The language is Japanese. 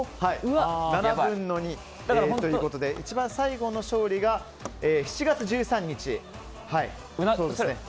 ７分の２ということで一番最後の勝利が７月１３日。